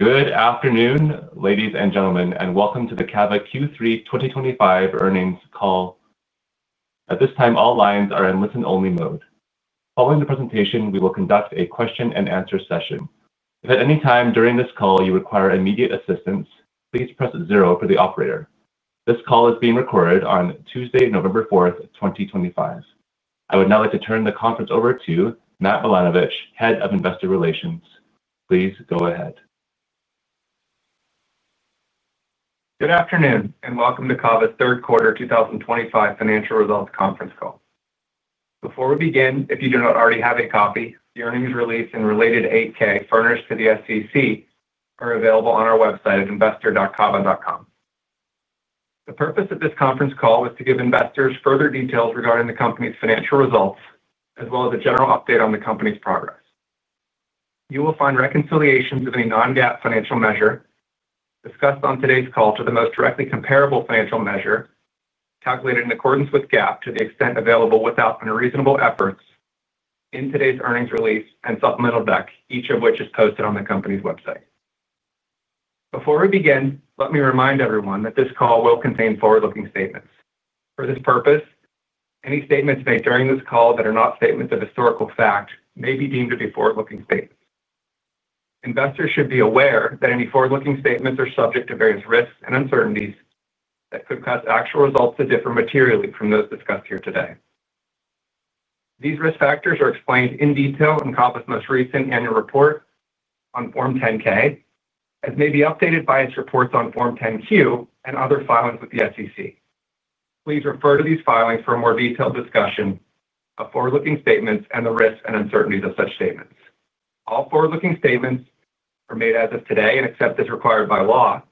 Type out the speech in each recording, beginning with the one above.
Good afternoon, ladies and gentlemen, and welcome to the CAVA Q3 2025 earnings call. At this time, all lines are in listen-only mode. Following the presentation, we will conduct a question-and-answer session. If at any time during this call you require immediate assistance, please press zero for the operator. This call is being recorded on Tuesday, November 4th, 2025. I would now like to turn the conference over to Matt Milanovich, Head of Investor Relations. Please go ahead. Good afternoon, and welcome to CAVA's third quarter 2025 financial results conference call. Before we begin, if you do not already have a copy, the earnings release and related 8-K furnished to the SEC are available on our website at investor.cava.com. The purpose of this conference call is to give investors further details regarding the company's financial results, as well as a general update on the company's progress. You will find reconciliations of any non-GAAP financial measure discussed on today's call to the most directly comparable financial measure calculated in accordance with GAAP to the extent available without unreasonable efforts in today's earnings release and supplemental deck, each of which is posted on the company's website. Before we begin, let me remind everyone that this call will contain forward-looking statements. For this purpose, any statements made during this call that are not statements of historical fact may be deemed to be forward-looking statements. Investors should be aware that any forward-looking statements are subject to various risks and uncertainties that could cause actual results to differ materially from those discussed here today. These risk factors are explained in detail in CAVA's most recent annual report on Form 10-K, as may be updated by its reports on Form 10-Q and other filings with the SEC. Please refer to these filings for a more detailed discussion of forward-looking statements and the risks and uncertainties of such statements. All forward-looking statements are made as of today and except as required by law.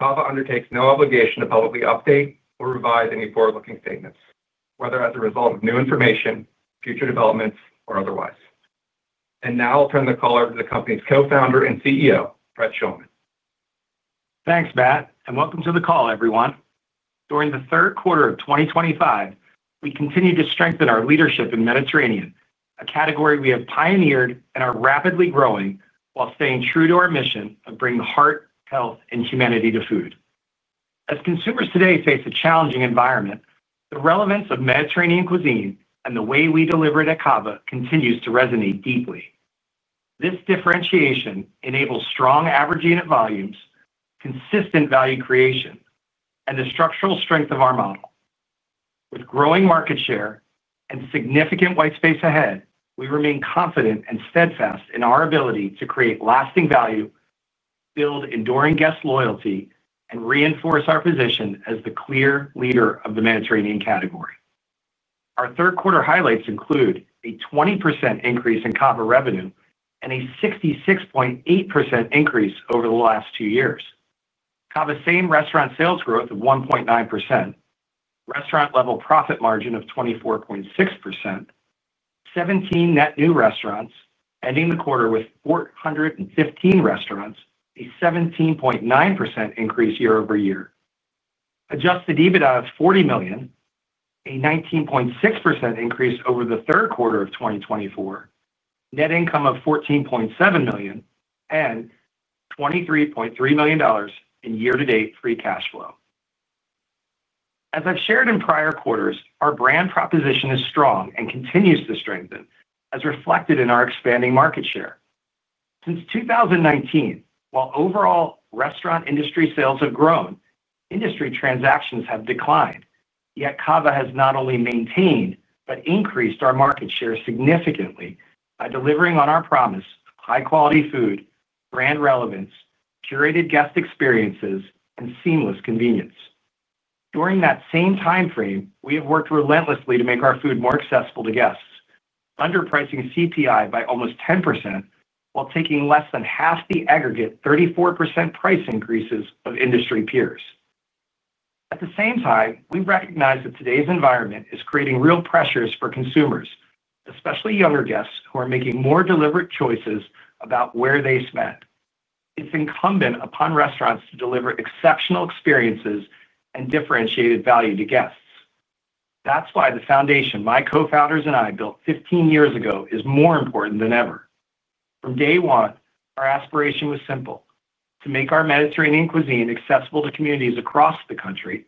CAVA undertakes no obligation to publicly update or revise any forward-looking statements, whether as a result of new information, future developments, or otherwise. And now I'll turn the call over to the company's co-founder and CEO, Brett Schulman. Thanks, Matt, and welcome to the call, everyone. During the third quarter of 2025, we continue to strengthen our leadership in Mediterranean, a category we have pioneered and are rapidly growing while staying true to our mission of bringing heart, health, and humanity to food. As consumers today face a challenging environment, the relevance of Mediterranean cuisine and the way we deliver it at CAVA continues to resonate deeply. This differentiation enables strong average unit volumes, consistent value creation, and the structural strength of our model. With growing market share and significant white space ahead, we remain confident and steadfast in our ability to create lasting value, build enduring guest loyalty, and reinforce our position as the clear leader of the Mediterranean category. Our third quarter highlights include a 20% increase in CAVA revenue and a 66.8% increase over the last two years. CAVA's same restaurant sales growth of 1.9%. Restaurant-level profit margin of 24.6%. 17 net new restaurants, ending the quarter with 415 restaurants, a 17.9% increase year over year. Adjusted EBITDA of $40 million, a 19.6% increase over the third quarter of 2024. Net income of $14.7 million, and $23.3 million in year-to-date free cash flow. As I've shared in prior quarters, our brand proposition is strong and continues to strengthen, as reflected in our expanding market share. Since 2019, while overall restaurant industry sales have grown, industry transactions have declined, yet CAVA has not only maintained but increased our market share significantly by delivering on our promise of high-quality food, brand relevance, curated guest experiences, and seamless convenience. During that same time frame, we have worked relentlessly to make our food more accessible to guests, underpricing CPI by almost 10% while taking less than half the aggregate 34% price increases of industry peers. At the same time, we recognize that today's environment is creating real pressures for consumers, especially younger guests who are making more deliberate choices about where they spend. It's incumbent upon restaurants to deliver exceptional experiences and differentiated value to guests. That's why the foundation my co-founders and I built 15 years ago is more important than ever. From day one, our aspiration was simple: to make our Mediterranean cuisine accessible to communities across the country,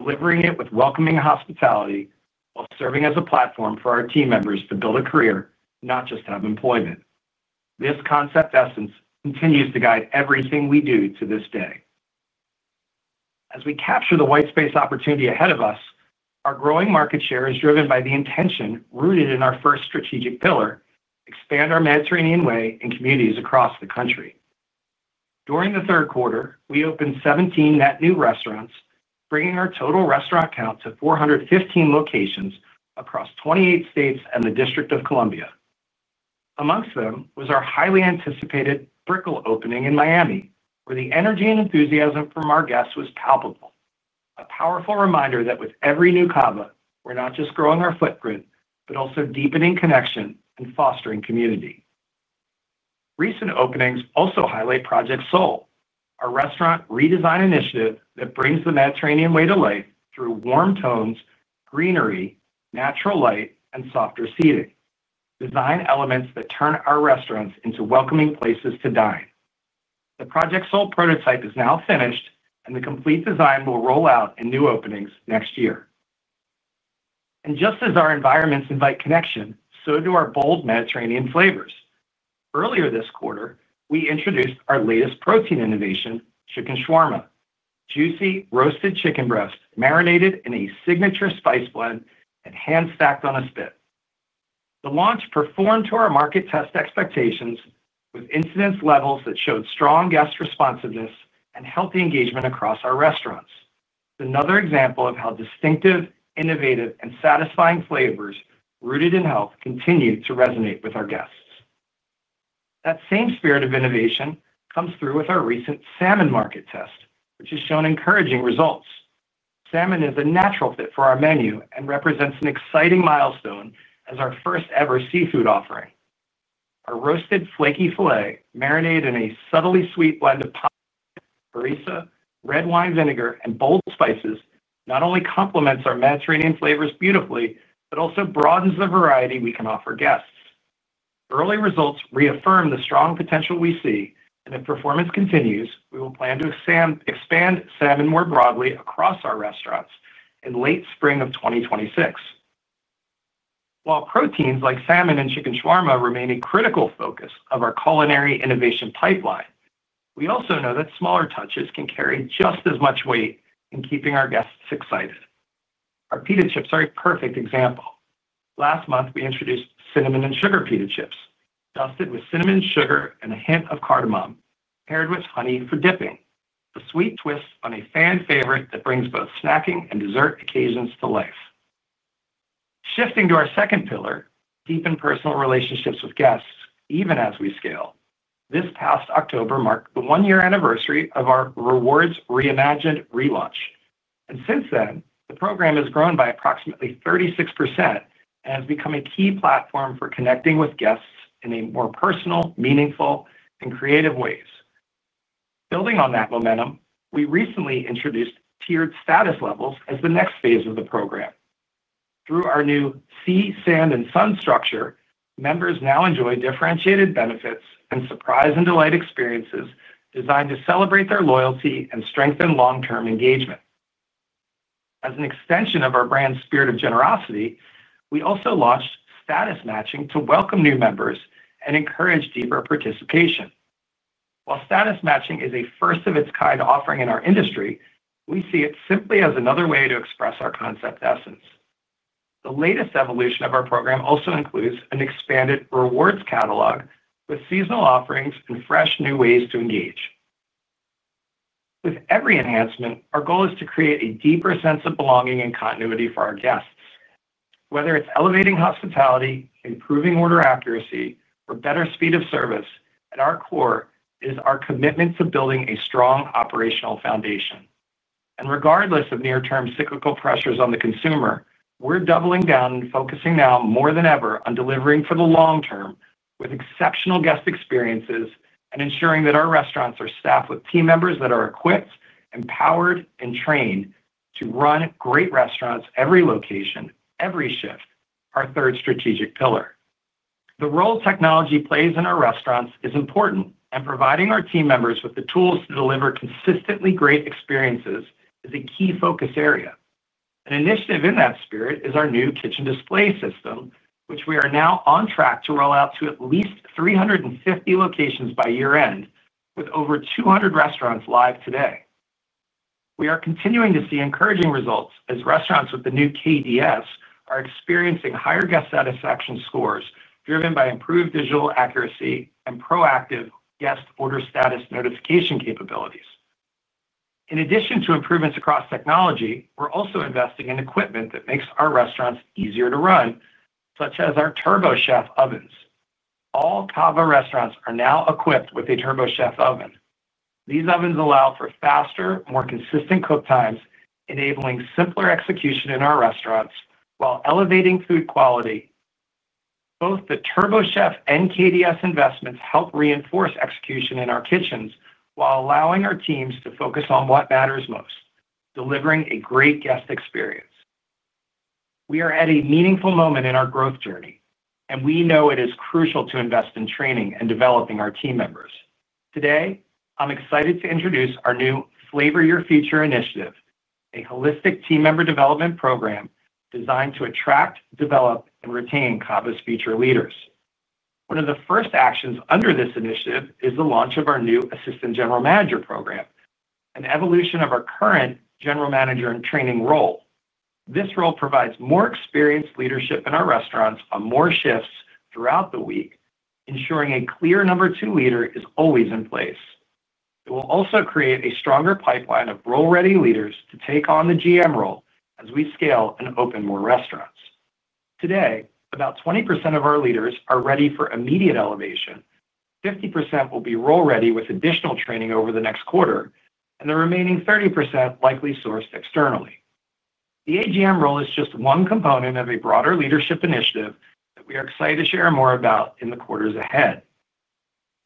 delivering it with welcoming hospitality while serving as a platform for our team members to build a career, not just have employment. This concept essence continues to guide everything we do to this day. As we capture the white space opportunity ahead of us, our growing market share is driven by the intention rooted in our first strategic pillar, expand our Mediterranean way in communities across the country. During the third quarter, we opened 17 net new restaurants, bringing our total restaurant count to 415 locations across 28 states and the District of Columbia. Among them was our highly anticipated Brickell opening in Miami, where the energy and enthusiasm from our guests was palpable, a powerful reminder that with every new CAVA, we're not just growing our footprint but also deepening connection and fostering community. Recent openings also highlight Project Soul, our restaurant redesign initiative that brings the Mediterranean way to life through warm tones, greenery, natural light, and softer seating, design elements that turn our restaurants into welcoming places to dine. The Project Soul prototype is now finished, and the complete design will roll out in new openings next year. And just as our environments invite connection, so do our bold Mediterranean flavors. Earlier this quarter, we introduced our latest protein innovation, Chicken Shawarma, juicy roasted chicken breast marinated in a signature spice blend and hand-stacked on a spit. The launch performed to our market test expectations with incidence levels that showed strong guest responsiveness and healthy engagement across our restaurants. It's another example of how distinctive, innovative, and satisfying flavors rooted in health continue to resonate with our guests. That same spirit of innovation comes through with our recent salmon market test, which has shown encouraging results. Salmon is a natural fit for our menu and represents an exciting milestone as our first-ever seafood offering. Our roasted flaky filet, marinated in a subtly sweet blend of paprika, harissa, red wine vinegar, and bold spices, not only complements our Mediterranean flavors beautifully but also broadens the variety we can offer guests. Early results reaffirm the strong potential we see, and if performance continues, we will plan to expand salmon more broadly across our restaurants in late spring of 2026. While proteins like salmon and chicken shawarma remain a critical focus of our culinary innovation pipeline, we also know that smaller touches can carry just as much weight in keeping our guests excited. Our pita chips are a perfect example. Last month, we introduced cinnamon-sugar pita chips, dusted with cinnamon, sugar, and a hint of cardamom, paired with honey for dipping, a sweet twist on a fan favorite that brings both snacking and dessert occasions to life. Shifting to our second pillar, deepen personal relationships with guests, even as we scale. This past October marked the one-year anniversary of our Rewards Reimagined relaunch, and since then, the program has grown by approximately 36% and has become a key platform for connecting with guests in a more personal, meaningful, and creative way. Building on that momentum, we recently introduced tiered status levels as the next phase of the program. Through our new Sea, Sand, and Sun structure, members now enjoy differentiated benefits and surprise and delight experiences designed to celebrate their loyalty and strengthen long-term engagement. As an extension of our brand's spirit of generosity, we also launched status matching to welcome new members and encourage deeper participation. While status matching is a first-of-its-kind offering in our industry, we see it simply as another way to express our concept essence. The latest evolution of our program also includes an expanded rewards catalog with seasonal offerings and fresh new ways to engage. With every enhancement, our goal is to create a deeper sense of belonging and continuity for our guests. Whether it's elevating hospitality, improving order accuracy, or better speed of service, at our core is our commitment to building a strong operational foundation. And regardless of near-term cyclical pressures on the consumer, we're doubling down and focusing now more than ever on delivering for the long term with exceptional guest experiences and ensuring that our restaurants are staffed with team members that are equipped, empowered, and trained to run great restaurants every location, every shift, our third strategic pillar. The role technology plays in our restaurants is important, and providing our team members with the tools to deliver consistently great experiences is a key focus area. An initiative in that spirit is our new kitchen display system, which we are now on track to roll out to at least 350 locations by year-end, with over 200 restaurants live today. We are continuing to see encouraging results as restaurants with the new KDS are experiencing higher guest satisfaction scores driven by improved visual accuracy and proactive guest order status notification capabilities. In addition to improvements across technology, we're also investing in equipment that makes our restaurants easier to run, such as our TurboChef ovens. All CAVA restaurants are now equipped with a TurboChef oven. These ovens allow for faster, more consistent cook times, enabling simpler execution in our restaurants while elevating food quality. Both the TurboChef and KDS investments help reinforce execution in our kitchens while allowing our teams to focus on what matters most, delivering a great guest experience. We are at a meaningful moment in our growth journey, and we know it is crucial to invest in training and developing our team members. Today, I'm excited to introduce our new Flavor Your Future initiative, a holistic team member development program designed to attract, develop, and retain CAVA's future leaders. One of the first actions under this initiative is the launch of our new Assistant General Manager program, an evolution of our current General Manager in Training role. This role provides more experienced leadership in our restaurants on more shifts throughout the week, ensuring a clear number two leader is always in place. It will also create a stronger pipeline of role-ready leaders to take on the GM role as we scale and open more restaurants. Today, about 20% of our leaders are ready for immediate elevation, 50% will be role-ready with additional training over the next quarter, and the remaining 30% likely sourced externally. The AGM role is just one component of a broader leadership initiative that we are excited to share more about in the quarters ahead.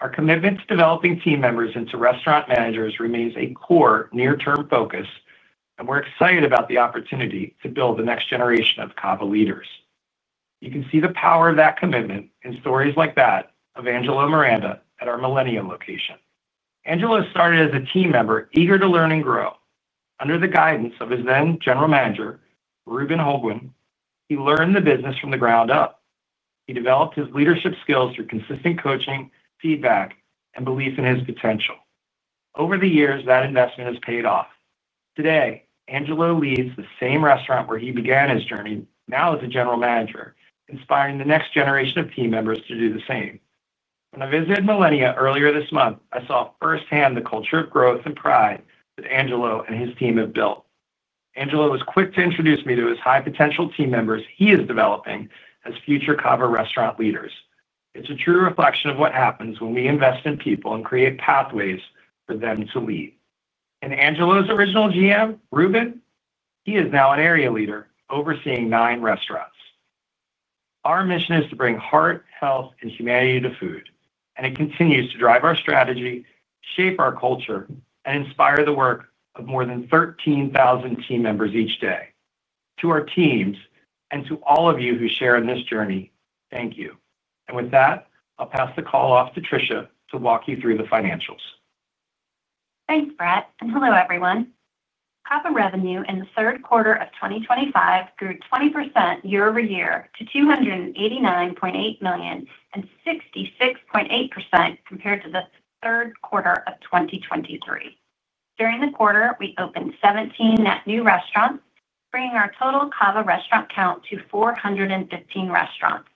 Our commitment to developing team members into restaurant managers remains a core near-term focus, and we're excited about the opportunity to build the next generation of CAVA leaders. You can see the power of that commitment in stories like that of Angelo Miranda at our Millennium location. Angelo started as a team member eager to learn and grow. Under the guidance of his then General Manager, Reuben Hogwin, he learned the business from the ground up. He developed his leadership skills through consistent coaching, feedback, and belief in his potential. Over the years, that investment has paid off. Today, Angelo leads the same restaurant where he began his journey, now as a General Manager, inspiring the next generation of team members to do the same. When I visited Millennium earlier this month, I saw firsthand the culture of growth and pride that Angelo and his team have built. Angelo was quick to introduce me to his high-potential team members he is developing as future CAVA restaurant leaders. It's a true reflection of what happens when we invest in people and create pathways for them to lead. And Angelo's original GM, Reuben, he is now an area leader overseeing nine restaurants. Our mission is to bring heart, health, and humanity to food, and it continues to drive our strategy, shape our culture, and inspire the work of more than 13,000 team members each day. To our teams and to all of you who share in this journey, thank you. And with that, I'll pass the call off to Tricia to walk you through the financials. Thanks, Brett. And hello, everyone. CAVA revenue in the third quarter of 2025 grew 20% year over year to $289.8 million and 66.8% compared to the third quarter of 2023. During the quarter, we opened 17 net new restaurants, bringing our total CAVA restaurant count to 415 restaurants.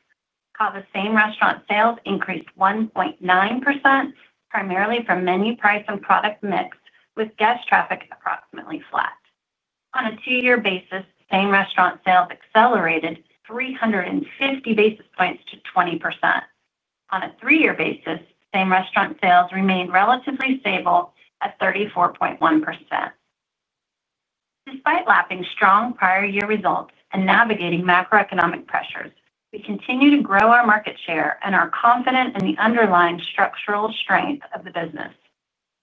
CAVA's same restaurant sales increased 1.9%, primarily from menu price and product mix, with guest traffic approximately flat. On a two-year basis, same restaurant sales accelerated 350 basis points to 20%. On a three-year basis, same restaurant sales remained relatively stable at 34.1%. Despite lapping strong prior year results and navigating macroeconomic pressures, we continue to grow our market share and are confident in the underlying structural strength of the business.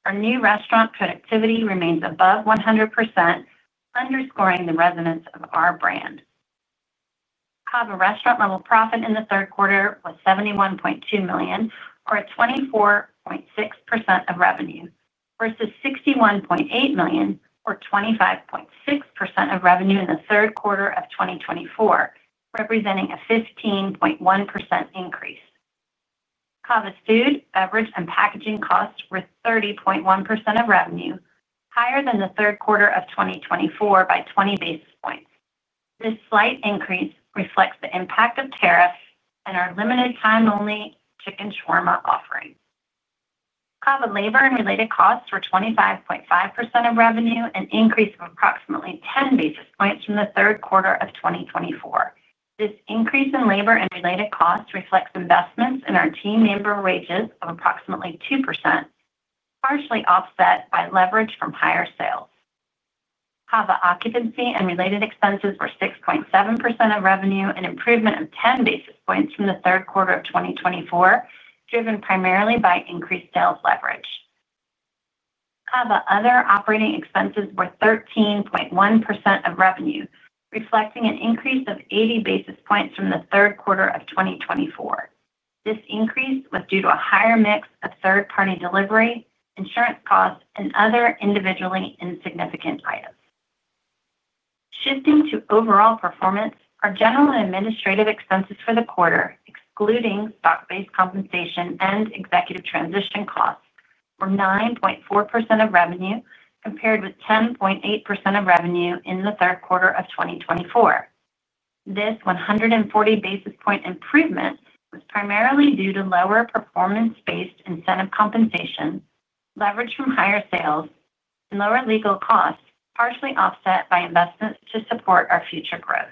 Our new restaurant productivity remains above 100%. Underscoring the resonance of our brand. CAVA restaurant-level profit in the third quarter was $71.2 million, or 24.6% of revenue, versus $61.8 million, or 25.6% of revenue in the third quarter of 2024, representing a 15.1% increase. CAVA's food, beverage, and packaging costs were 30.1% of revenue, higher than the third quarter of 2024 by basis points. This slight increase reflects the impact of tariffs and our limited-time-only chicken shawarma offering. CAVA labor and related costs were 25.5% of revenue, an increase of approximately 10 basis points from the third quarter of 2024. This increase in labor and related costs reflects investments in our team member wages of approximately 2%. Partially offset by leverage from higher sales. CAVA occupancy and related expenses were 6.7% of revenue, an improvement of 10 basis points from the third quarter of 2024, driven primarily by increased sales leverage. CAVA other operating expenses were 13.1% of revenue, reflecting an increase of 80 basis points from the third quarter of 2024. This increase was due to a higher mix of third-party delivery, insurance costs, and other individually insignificant items. Shifting to overall performance, our general and administrative expenses for the quarter, excluding stock-based compensation and executive transition costs, were 9.4% of revenue, compared with 10.8% of revenue in the third quarter of 2024. This 140 basis point improvement was primarily due to lower performance-based incentive compensation, leverage from higher sales, and lower legal costs, partially offset by investments to support our future growth.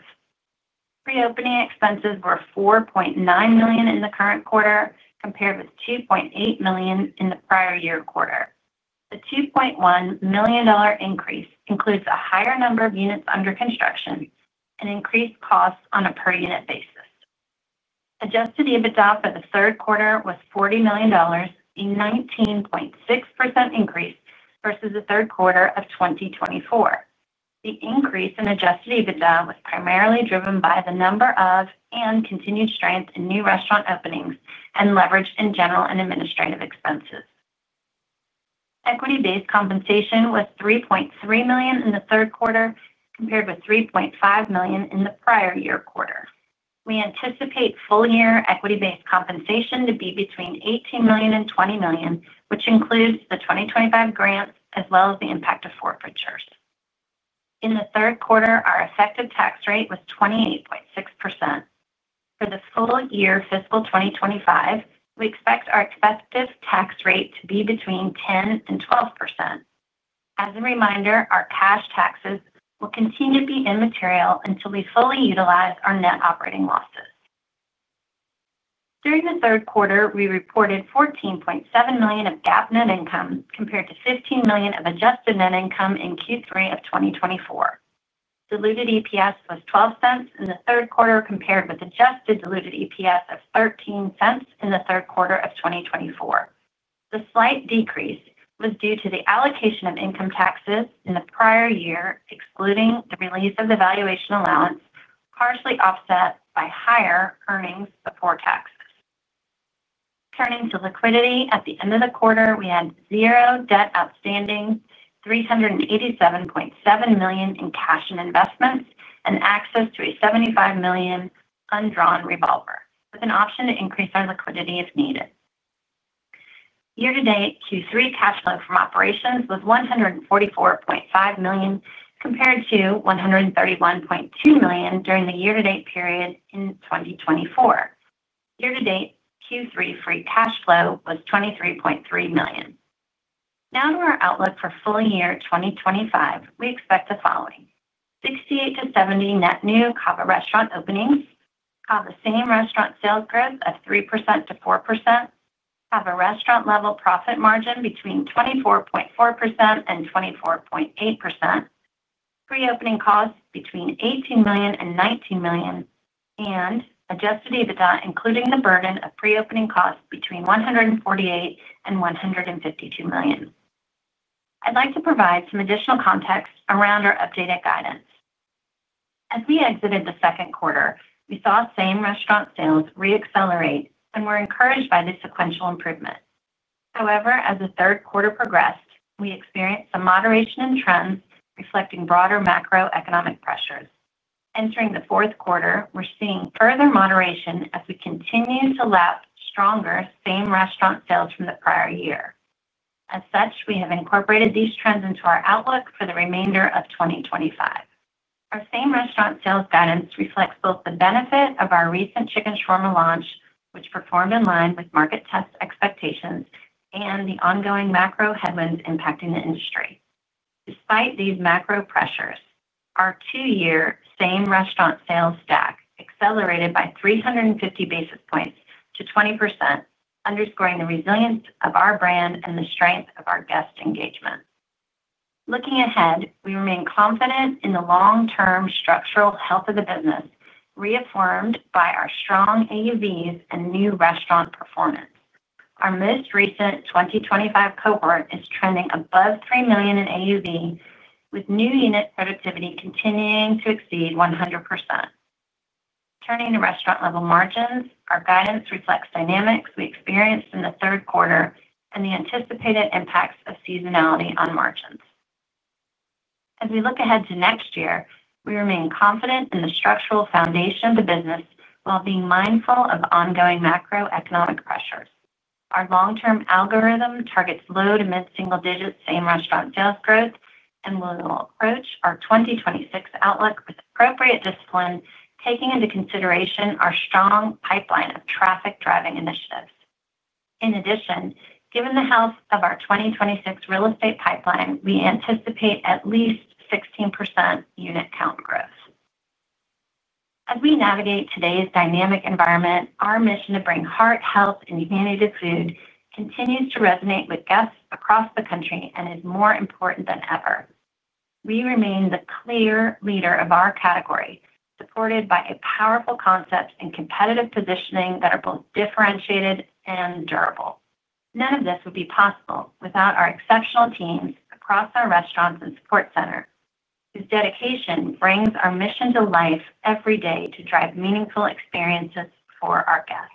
Pre-opening expenses were $4.9 million in the current quarter, compared with $2.8 million in the prior year quarter. The $2.1 million increase includes a higher number of units under construction and increased costs on a per-unit basis. Adjusted EBITDA for the third quarter was $40 million, a 19.6% increase versus the third quarter of 2024. The increase in Adjusted EBITDA was primarily driven by the number of and continued strength in new restaurant openings and leverage in general and administrative expenses. Equity-based compensation was $3.3 million in the third quarter, compared with $3.5 million in the prior year quarter. We anticipate full-year equity-based compensation to be between $18 million and $20 million, which includes the 2025 grants as well as the impact of forfeitures. In the third quarter, our effective tax rate was 28.6%. For the full year fiscal 2025, we expect our effective tax rate to be between 10% and 12%. As a reminder, our cash taxes will continue to be immaterial until we fully utilize our net operating losses. During the third quarter, we reported $14.7 million of GAAP net income, compared to $15 million of adjusted net income in Q3 of 2024. Diluted EPS was 12 cents in the third quarter, compared with adjusted diluted EPS of $0.13 in the third quarter of 2024. The slight decrease was due to the allocation of income taxes in the prior year, excluding the release of the valuation allowance, partially offset by higher earnings before taxes. Turning to liquidity, at the end of the quarter, we had zero debt outstanding, $387.7 million in cash and investments, and access to a $75 million undrawn revolver, with an option to increase our liquidity if needed. Year-to-date Q3 cash flow from operations was $144.5 million, compared to $131.2 million during the year-to-date period in 2024. Year-to-date Q3 free cash flow was $23.3 million. Now to our outlook for full year 2025, we expect the following. 68-70 net new CAVA restaurant openings, CAVA same restaurant sales growth of 3%-4%, CAVA restaurant-level profit margin between 24.4% and 24.8%. Pre-opening costs between $18 million and $19 million, and adjusted EBITDA, including the burden of pre-opening costs between $148 million and $152 million. I'd like to provide some additional context around our updated guidance. As we exited the second quarter, we saw same restaurant sales re-accelerate and were encouraged by the sequential improvement. However, as the third quarter progressed, we experienced some moderation in trends reflecting broader macroeconomic pressures. Entering the fourth quarter, we're seeing further moderation as we continue to lap stronger same restaurant sales from the prior year. As such, we have incorporated these trends into our outlook for the remainder of 2025. Our same restaurant sales guidance reflects both the benefit of our recent chicken shawarma launch, which performed in line with market test expectations, and the ongoing macro headwinds impacting the industry. Despite these macro pressures, our two-year same restaurant sales stack accelerated by 350 basis points to 20%, underscoring the resilience of our brand and the strength of our guest engagement. Looking ahead, we remain confident in the long-term structural health of the business, reaffirmed by our strong AUVs and new restaurant performance. Our most recent 2025 cohort is trending above three million in AUV, with new unit productivity continuing to exceed 100%. Turning to restaurant-level margins, our guidance reflects dynamics we experienced in the third quarter and the anticipated impacts of seasonality on margins. As we look ahead to next year, we remain confident in the structural foundation of the business while being mindful of ongoing macroeconomic pressures. Our long-term algorithm targets low to mid-single digit same restaurant sales growth, and we will approach our 2026 outlook with appropriate discipline, taking into consideration our strong pipeline of traffic-driving initiatives. In addition, given the health of our 2026 real estate pipeline, we anticipate at least 16% unit count growth. As we navigate today's dynamic environment, our mission to bring heart, health, and humanity to food continues to resonate with guests across the country and is more important than ever. We remain the clear leader of our category, supported by a powerful concept and competitive positioning that are both differentiated and durable. None of this would be possible without our exceptional teams across our restaurants and support centers, whose dedication brings our mission to life every day to drive meaningful experiences for our guests.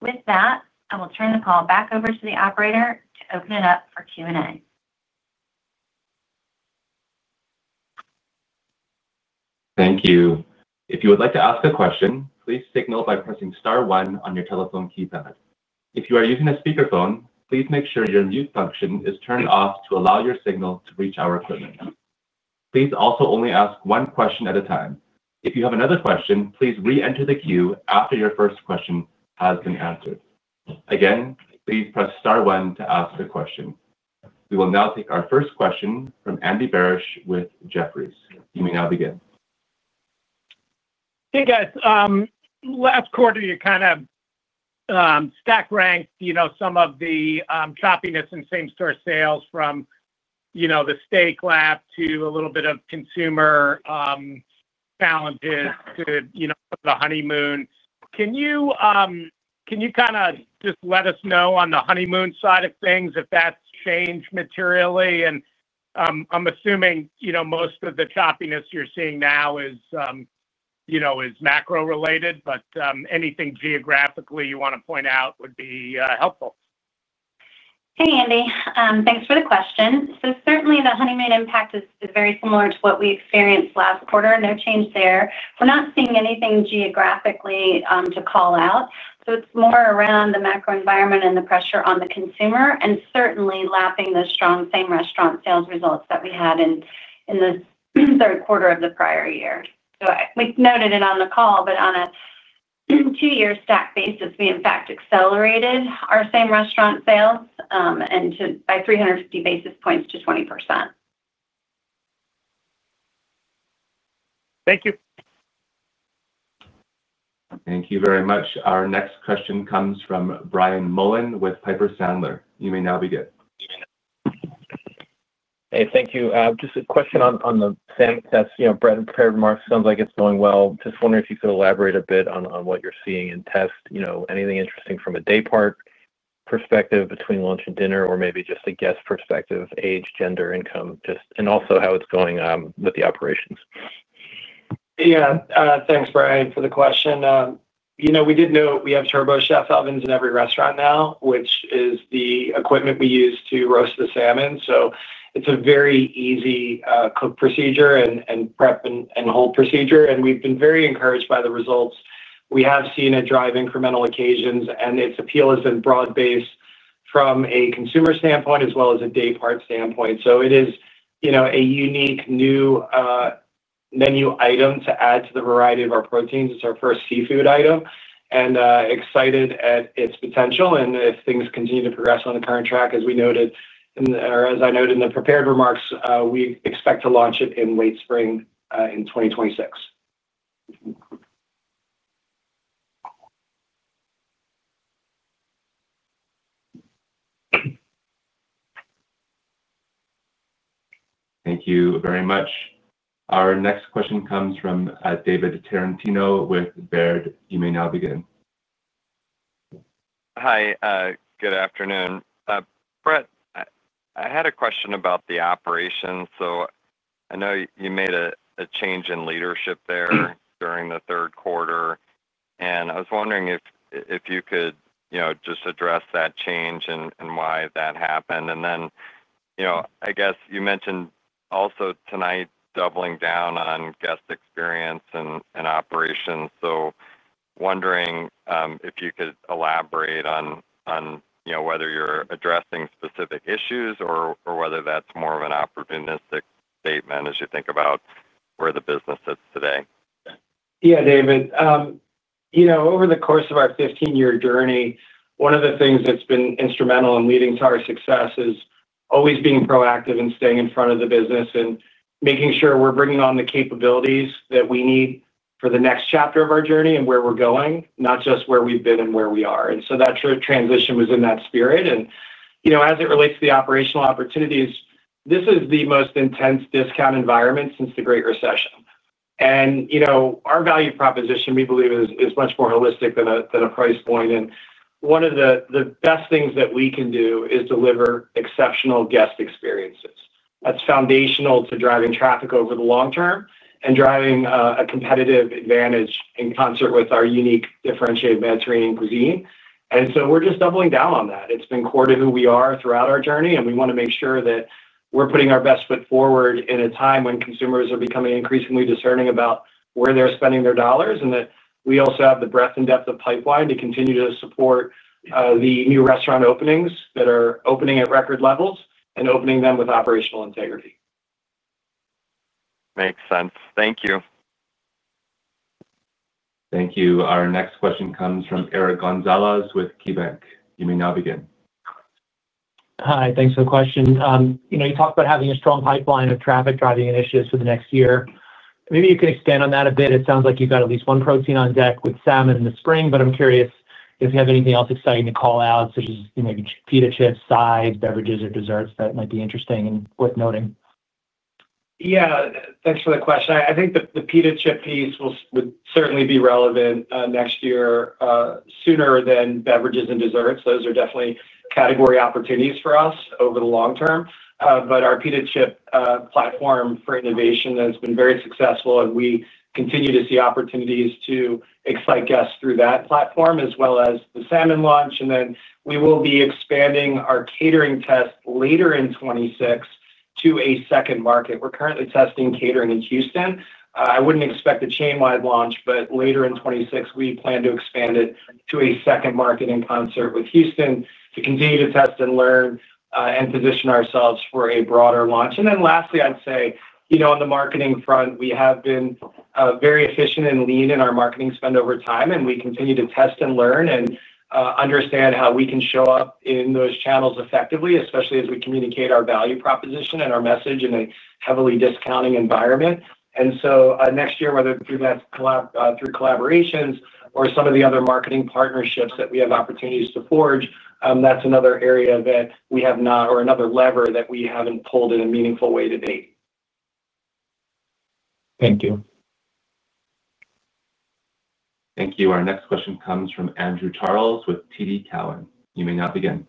With that, I will turn the call back over to the operator to open it up for Q&A. Thank you. If you would like to ask a question, please signal by pressing Star one on your telephone keypad. If you are using a speakerphone, please make sure your mute function is turned off to allow your signal to reach our equipment. Please also only ask one question at a time. If you have another question, please re-enter the queue after your first question has been answered. Again, please press Star one to ask the question. We will now take our first question from Andrew Barish with Jefferies. You may now begin. Hey, guys. Last quarter, you kind of stack ranked some of the choppiness in same-store sales from. The steak lapping a little bit of consumer challenges to the honeymoon. Can you kind of just let us know on the honeymoon side of things if that's changed materially? And I'm assuming most of the choppiness you're seeing now is macro-related, but anything geographically you want to point out would be helpful. Hey, Andy. Thanks for the question. So certainly, the honeymoon impact is very similar to what we experienced last quarter. No change there. We're not seeing anything geographically to call out. So it's more around the macro environment and the pressure on the consumer, and certainly lapping those strong same-restaurant sales results that we had in the third quarter of the prior year. So we noted it on the call, but on a two-year stack basis, we, in fact, accelerated our same-restaurant sales by 350 basis points to 20%. Thank you. Thank you very much. Our next question comes from Brian Mullan with Piper Sandler. You may now begin. Hey, thank you. Just a question on the salmon test. Brett, and prepared remarks, sounds like it's going well. Just wondering if you could elaborate a bit on what you're seeing in test. Anything interesting from a daypart perspective between lunch and dinner, or maybe just a guest perspective? Age, gender, income, and also how it's going with the operations. Yeah. Thanks, Brian, for the question. We did note we have TurboChef ovens in every restaurant now, which is the equipment we use to roast the salmon. So it's a very easy cook procedure and prep and hold procedure. And we've been very encouraged by the results. We have seen it drive incremental occasions, and its appeal has been broad-based from a consumer standpoint as well as a daypart standpoint. So it is a unique new menu item to add to the variety of our proteins. It's our first seafood item. And excited at its potential. And if things continue to progress on the current track, as we noted or as I noted in the prepared remarks, we expect to launch it in late spring in 2026. Thank you very much. Our next question comes from David Tarantino with Baird. You may now begin. Hi. Good afternoon. Brett, I had a question about the operations. So I know you made a change in leadership there during the third quarter. And I was wondering if you could just address that change and why that happened. And then I guess you mentioned also today doubling down on guest experience and operations. So wondering if you could elaborate on whether you're addressing specific issues or whether that's more of an opportunistic statement as you think about where the business sits today. Yeah, David. Over the course of our 15-year journey, one of the things that's been instrumental in leading to our success is always being proactive and staying in front of the business and making sure we're bringing on the capabilities that we need for the next chapter of our journey and where we're going, not just where we've been and where we are. And so that transition was in that spirit. And as it relates to the operational opportunities, this is the most intense discount environment since the Great Recession. And our value proposition, we believe, is much more holistic than a price point. And one of the best things that we can do is deliver exceptional guest experiences. That's foundational to driving traffic over the long term and driving a competitive advantage in concert with our unique differentiated Mediterranean cuisine. And so we're just doubling down on that. It's been core to who we are throughout our journey, and we want to make sure that we're putting our best foot forward in a time when consumers are becoming increasingly discerning about where they're spending their dollars and that we also have the breadth and depth of pipeline to continue to support the new restaurant openings that are opening at record levels and opening them with operational integrity. Makes sense. Thank you. Thank you. Our next question comes from Eric Gonzalez with KeyBanc. You may now begin. Hi. Thanks for the question. You talked about having a strong pipeline of traffic driving initiatives for the next year. Maybe you can expand on that a bit. It sounds like you've got at least one protein on deck with salmon in the spring, but I'm curious if you have anything else exciting to call out, such as maybe pita chips, sides, beverages, or desserts that might be interesting and worth noting. Yeah. Thanks for the question. I think the pita chip piece would certainly be relevant next year. Sooner than beverages and desserts. Those are definitely category opportunities for us over the long term. But our pita chip platform for innovation has been very successful, and we continue to see opportunities to excite guests through that platform as well as the salmon launch. And then we will be expanding our catering test later in 2026 to a second market. We're currently testing catering in Houston. I wouldn't expect a chain-wide launch, but later in 2026, we plan to expand it to a second market in concert with Houston to continue to test and learn and position ourselves for a broader launch. And then lastly, I'd say on the marketing front, we have been very efficient and lean in our marketing spend over time, and we continue to test and learn and understand how we can show up in those channels effectively, especially as we communicate our value proposition and our message in a heavily discounting environment. And so next year, whether through collaborations or some of the other marketing partnerships that we have opportunities to forge, that's another area that we have not, or another lever that we haven't pulled in a meaningful way to date. Thank you. Thank you. Our next question comes from Andrew Charles with TD Cowen. You may now begin.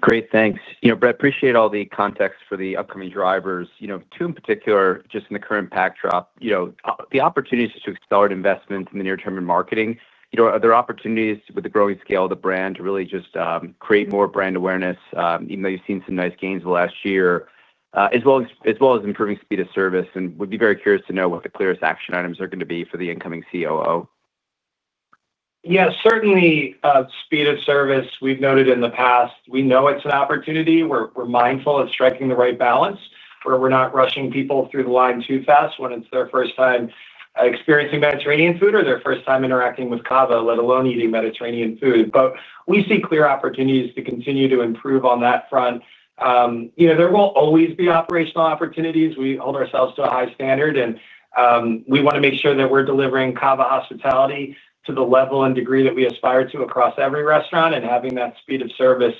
Great. Thanks. Brett, appreciate all the context for the upcoming drivers. Two in particular, just in the current pack drop. The opportunities to accelerate investment in the near-term and marketing. Are there opportunities with the growing scale of the brand to really just create more brand awareness, even though you've seen some nice gains the last year, as well as improving speed of service? And we'd be very curious to know what the clearest action items are going to be for the incoming COO. Yeah. Certainly, speed of service, we've noted in the past. We know it's an opportunity. We're mindful of striking the right balance where we're not rushing people through the line too fast when it's their first time experiencing Mediterranean food or their first time interacting with CAVA, let alone eating Mediterranean food. But we see clear opportunities to continue to improve on that front. There will always be operational opportunities. We hold ourselves to a high standard, and we want to make sure that we're delivering CAVA hospitality to the level and degree that we aspire to across every restaurant and having that speed of service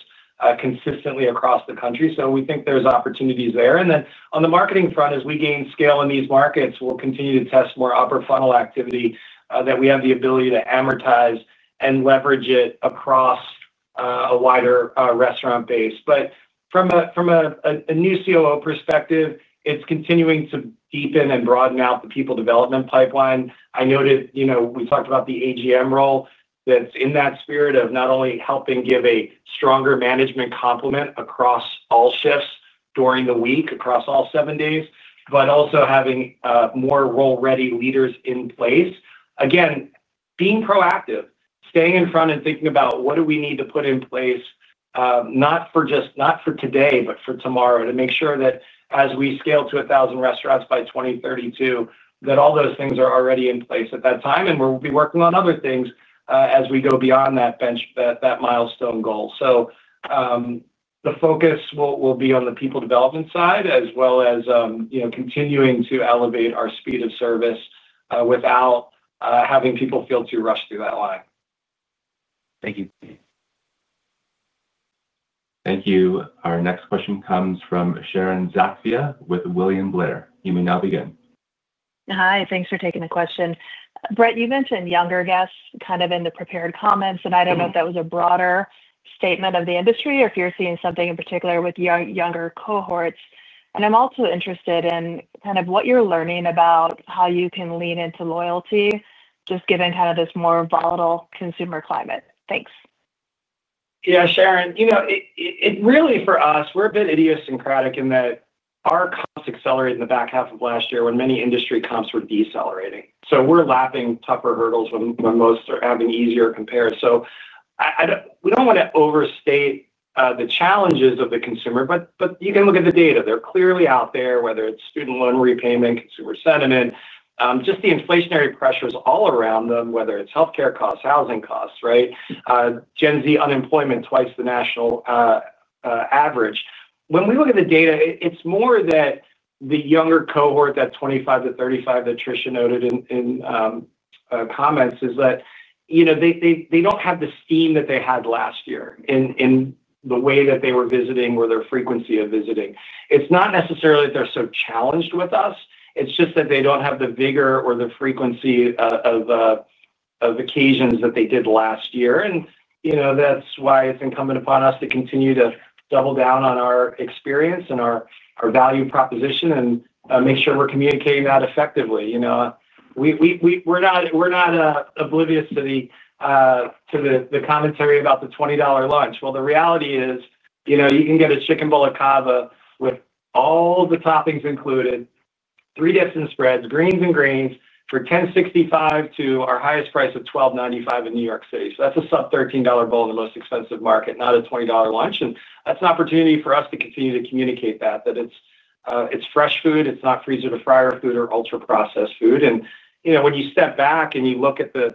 consistently across the country. So we think there's opportunities there. And then on the marketing front, as we gain scale in these markets, we'll continue to test more upper funnel activity that we have the ability to amortize and leverage it across a wider restaurant base. But from a new COO perspective, it's continuing to deepen and broaden out the people development pipeline. I noted we talked about the AGM role that's in that spirit of not only helping give a stronger management complement across all shifts during the week, across all seven days, but also having more role-ready leaders in place. Again, being proactive, staying in front and thinking about what do we need to put in place, not for today, but for tomorrow, to make sure that as we scale to 1,000 restaurants by 2032, that all those things are already in place at that time. And we'll be working on other things as we go beyond that milestone goal. So the focus will be on the people development side as well as continuing to elevate our speed of service without having people feel too rushed through that line. Thank you. Thank you. Our next question comes from Sharon Zackfia with William Blair. You may now begin. Hi. Thanks for taking the question. Brett, you mentioned younger guests kind of in the prepared comments, and I don't know if that was a broader statement of the industry or if you're seeing something in particular with younger cohorts. And I'm also interested in kind of what you're learning about how you can lean into loyalty just given kind of this more volatile consumer climate. Thanks. Yeah, Sharon. It really, for us, we're a bit idiosyncratic in that our comps accelerated in the back half of last year when many industry comps were decelerating. So we're lapping tougher hurdles when most are having easier comps. So. We don't want to overstate the challenges of the consumer, but you can look at the data. They're clearly out there, whether it's student loan repayment, consumer sentiment, just the inflationary pressures all around them, whether it's healthcare costs, housing costs, right? Gen Z unemployment twice the national average. When we look at the data, it's more that the younger cohort, that 25- to 35-year-olds that Tricia noted in comments, is that. They don't have the steam that they had last year in the way that they were visiting, where their frequency of visiting. It's not necessarily that they're so challenged with us. It's just that they don't have the vigor or the frequency of occasions that they did last year. And that's why it's incumbent upon us to continue to double down on our experience and our value proposition and make sure we're communicating that effectively. We're not oblivious to the commentary about the $20 lunch. Well, the reality is you can get a chicken bowl at CAVA with all the toppings included, three dips and spreads, greens or grains for $10.65 to our highest price of $12.95 in New York City. So that's a sub-$13 bowl in the most expensive market, not a $20 lunch. And that's an opportunity for us to continue to communicate that, that it's fresh food. It's not freezer-to-fryer food or ultra-processed food. And when you step back and you look at the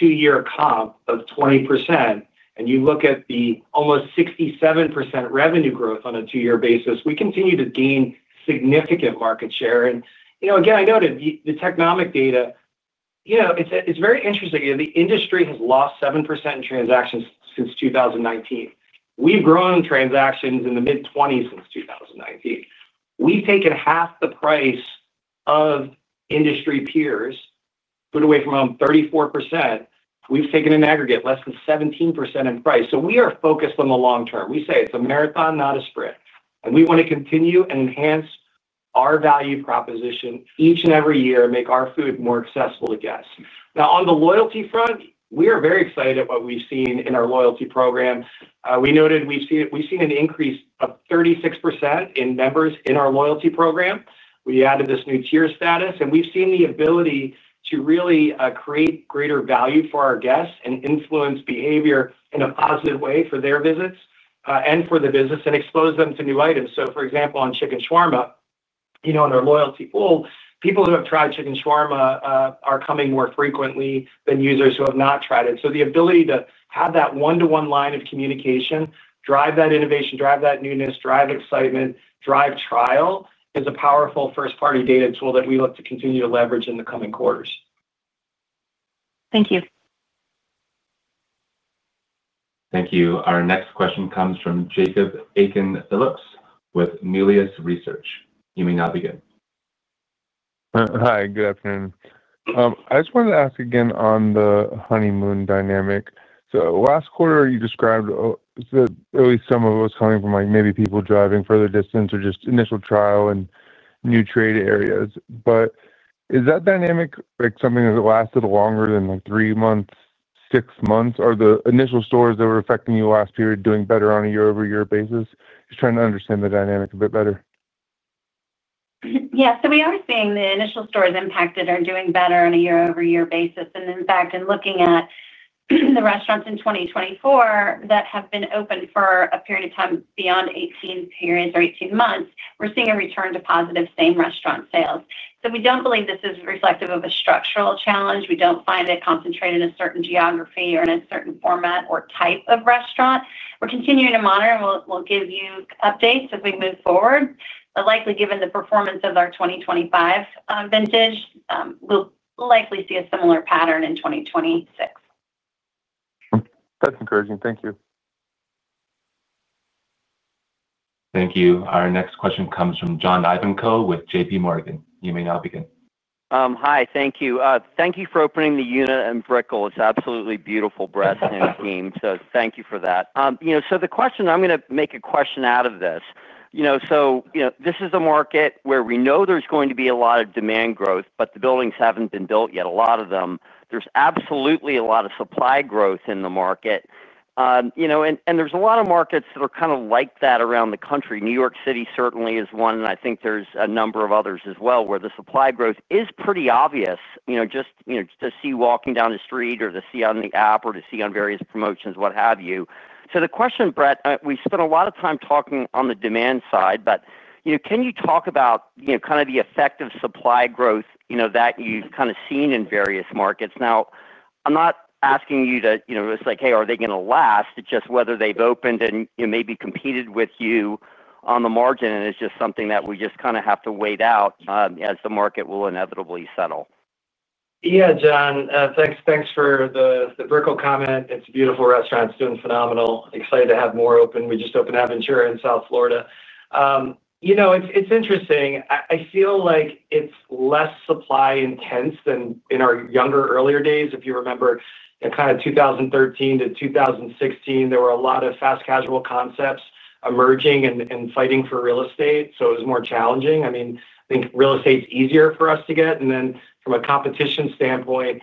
two-year comp of 20% and you look at the almost 67% revenue growth on a two-year basis, we continue to gain significant market share. And again, I noted the Technomic data. It's very interesting. The industry has lost 7% in transactions since 2019. We've grown transactions in the mid-20s since 2019. We've taken half the price increases of industry peers, food away from home 34%. We've taken an aggregate less than 17% in price. So we are focused on the long term. We say it's a marathon, not a sprint. And we want to continue and enhance our value proposition each and every year and make our food more accessible to guests. Now, on the loyalty front, we are very excited at what we've seen in our loyalty program. We noted we've seen an increase of 36% in members in our loyalty program. We added this new tier status, and we've seen the ability to really create greater value for our guests and influence behavior in a positive way for their visits and for the business and expose them to new items. So, for example, on chicken shawarma. In our loyalty pool, people who have tried chicken shawarma are coming more frequently than users who have not tried it. So the ability to have that one-to-one line of communication, drive that innovation, drive that newness, drive excitement, drive trial is a powerful first-party data tool that we look to continue to leverage in the coming quarters. Thank you. Thank you. Our next question comes from Jacob Aiken Phillips with Melius Research. You may now begin. Hi. Good afternoon. I just wanted to ask again on the honeymoon dynamic. So last quarter, you described. Really some of us coming from maybe people driving further distance or just initial trial and new trade areas. But is that dynamic something that lasted longer than three months, six months? Are the initial stores that were affecting you last period doing better on a year-over-year basis? Just trying to understand the dynamic a bit better. Yeah. So we are seeing the initial stores impacted are doing better on a year-over-year basis. And in fact, in looking at. The restaurants in 2024 that have been open for a period of time beyond 18 periods or 18 months, we're seeing a return to positive same restaurant sales. So we don't believe this is reflective of a structural challenge. We don't find it concentrated in a certain geography or in a certain format or type of restaurant. We're continuing to monitor, and we'll give you updates as we move forward. But likely, given the performance of our 2025 vintage, we'll likely see a similar pattern in 2026. That's encouraging. Thank you. Thank you. Our next question comes from John Ivanko with JP Morgan. You may now begin. Hi. Thank you. Thank you for opening the unit in Brickell. It's absolutely beautiful breadth and theme. So thank you for that. So the question, I'm going to make a question out of this. So this is a market where we know there's going to be a lot of demand growth, but the buildings haven't been built yet, a lot of them. There's absolutely a lot of supply growth in the market. And there's a lot of markets that are kind of like that around the country. New York City certainly is one, and I think there's a number of others as well where the supply growth is pretty obvious, just to see walking down the street or to see on the app or to see on various promotions, what have you. So the question, Brett, we spent a lot of time talking on the demand side, but can you talk about kind of the effect of supply growth that you've kind of seen in various markets? Now, I'm not asking you to just like, "Hey, are they going to last?" It's just whether they've opened and maybe competed with you on the margin, and it's just something that we just kind of have to wait out as the market will inevitably settle. Yeah, John. Thanks for the Brickell comment. It's a beautiful restaurant. It's doing phenomenal. Excited to have more open. We just opened Aventura in South Florida. It's interesting. I feel like it's less supply intense than in our younger, earlier days. If you remember kind of 2013 to 2016, there were a lot of fast casual concepts emerging and fighting for real estate. So it was more challenging. I mean, I think real estate's easier for us to get. And then from a competition standpoint,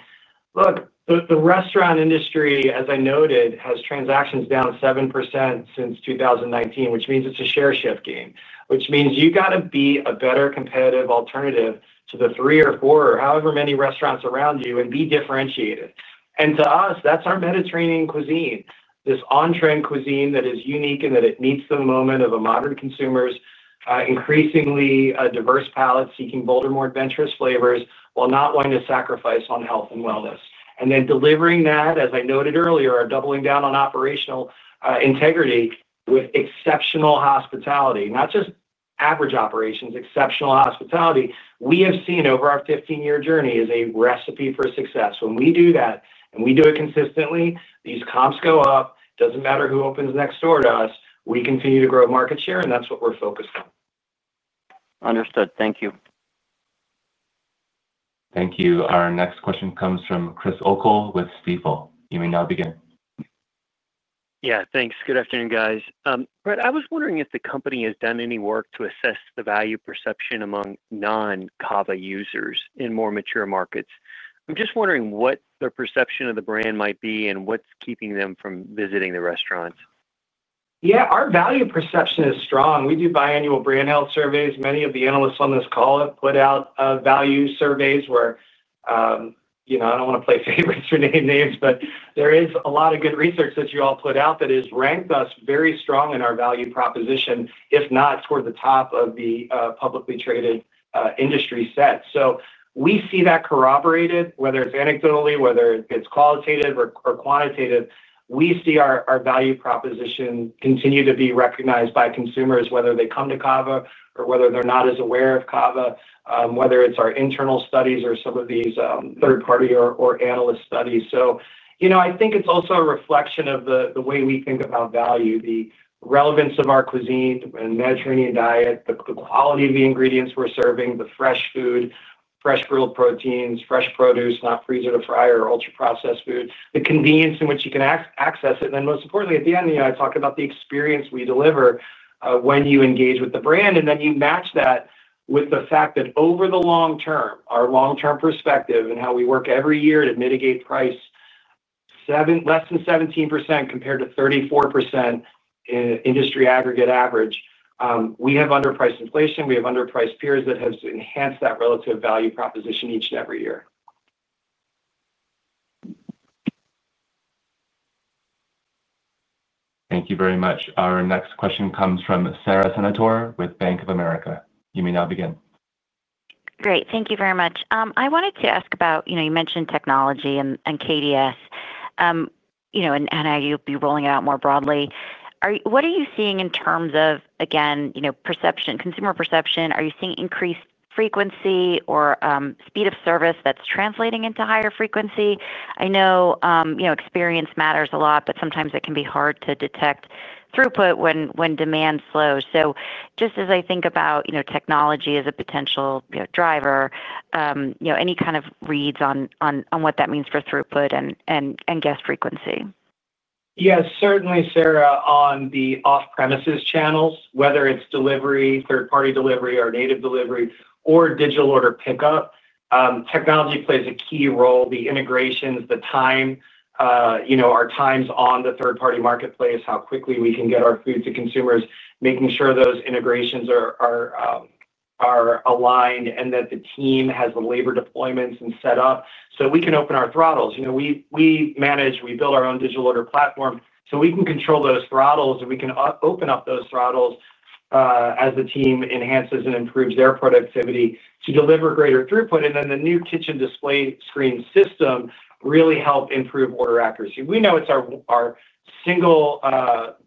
look, the restaurant industry, as I noted, has transactions down 7% since 2019, which means it's a share shift game, which means you got to be a better competitive alternative to the three or four or however many restaurants around you and be differentiated. And to us, that's our Mediterranean cuisine, this on-trend cuisine that is unique and that it meets the moment of a modern consumer's increasingly diverse palate seeking bolder more adventurous flavors while not wanting to sacrifice on health and wellness. And then delivering that, as I noted earlier, are doubling down on operational integrity with exceptional hospitality. Not just average operations, exceptional hospitality. We have seen over our 15-year journey as a recipe for success. When we do that and we do it consistently, these comps go up. Doesn't matter who opens next door to us. We continue to grow market share, and that's what we're focused on. Understood. Thank you. Thank you. Our next question comes from Chris O'Cull with Stifel. You may now begin. Yeah. Thanks. Good afternoon, guys. Brett, I was wondering if the company has done any work to assess the value perception among non-CAVA users in more mature markets. I'm just wondering what their perception of the brand might be and what's keeping them from visiting the restaurants. Yeah. Our value perception is strong. We do biannual brand health surveys. Many of the analysts on this call have put out value surveys where. I don't want to play favorites or name names, but there is a lot of good research that you all put out that has ranked us very strong in our value proposition, if not toward the top of the publicly traded industry set. So we see that corroborated, whether it's anecdotally, whether it's qualitative or quantitative. We see our value proposition continue to be recognized by consumers, whether they come to CAVA or whether they're not as aware of CAVA, whether it's our internal studies or some of these third-party or analyst studies. So I think it's also a reflection of the way we think about value, the relevance of our cuisine and Mediterranean diet, the quality of the ingredients we're serving, the fresh food, fresh grilled proteins, fresh produce, not freezer-to-fry or ultra-processed food, the convenience in which you can access it. And then most importantly, at the end, I talk about the experience we deliver when you engage with the brand. And then you match that with the fact that over the long term, our long-term perspective and how we work every year to mitigate price less than 17% compared to 34%, industry aggregate average. We have underpriced inflation. We have underpriced peers that have enhanced that relative value proposition each and every year. Thank you very much. Our next question comes from Sara Senatore with Bank of America. You may now begin. Great. Thank you very much. I wanted to ask about you mentioned technology and KDS. And I know you'll be rolling it out more broadly. What are you seeing in terms of, again, consumer perception? Are you seeing increased frequency or speed of service that's translating into higher frequency? I know experience matters a lot, but sometimes it can be hard to detect throughput when demand slows. So just as I think about technology as a potential driver. Any kind of reads on what that means for throughput and guest frequency? Yes, certainly, Sara, on the off-premises channels, whether it's delivery, third-party delivery, or native delivery, or digital order pickup, technology plays a key role. The integrations, the time, our times on the third-party marketplace, how quickly we can get our food to consumers, making sure those integrations are aligned and that the team has the labor deployments and set up so we can open our throttles. We manage, we build our own digital order platform. So we can control those throttles, and we can open up those throttles as the team enhances and improves their productivity to deliver greater throughput. And then the new kitchen display system really helps improve order accuracy. We know it's our single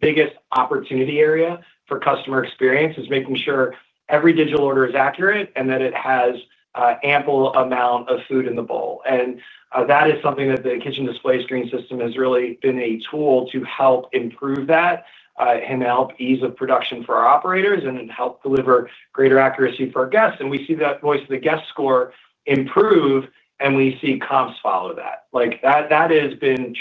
biggest opportunity area for customer experience is making sure every digital order is accurate and that it has an ample amount of food in the bowl. And that is something that the kitchen display system has really been a tool to help improve that and help ease of production for our operators and help deliver greater accuracy for our guests. And we see that voice of the guest score improve, and we see comps follow that. That has been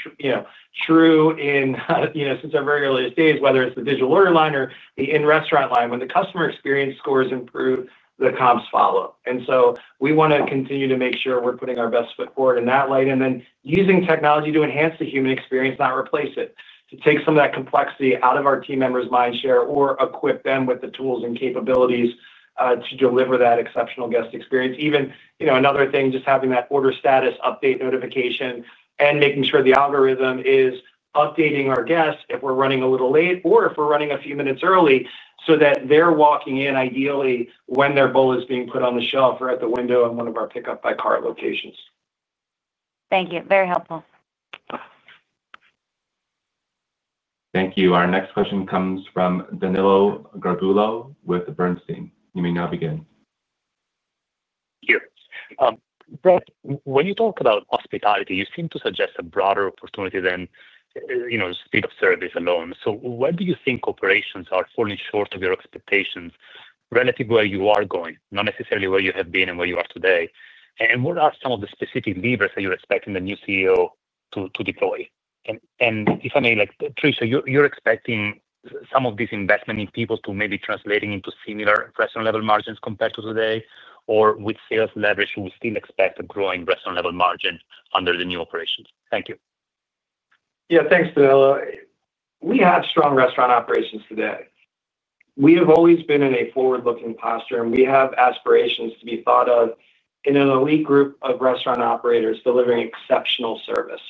true since our very earliest days, whether it's the digital order line or the in-restaurant line. When the customer experience scores improve, the comps follow. And so we want to continue to make sure we're putting our best foot forward in that light. And then using technology to enhance the human experience, not replace it, to take some of that complexity out of our team members' mind share or equip them with the tools and capabilities to deliver that exceptional guest experience. Even another thing, just having that order status update notification and making sure the algorithm is updating our guests if we're running a little late or if we're running a few minutes early so that they're walking in ideally when their bowl is being put on the shelf or at the window in one of our pickup by car locations. Thank you. Very helpful. Thank you. Our next question comes from Danilo Gargiulo with Bernstein. You may now begin. Thank you. Brett, when you talk about hospitality, you seem to suggest a broader opportunity than speed of service alone. So where do you think corporations are falling short of your expectations relative to where you are going, not necessarily where you have been and where you are today? And what are some of the specific levers that you're expecting the new CEO to deploy? And if I may, Tricia, you're expecting some of this investment in people to maybe translate into similar restaurant-level margins compared to today? Or with sales leverage, we still expect a growing restaurant-level margin under the new operations? Thank you. Yeah, thanks, Danilo. We have strong restaurant operations today. We have always been in a forward-looking posture, and we have aspirations to be thought of in an elite group of restaurant operators delivering exceptional service.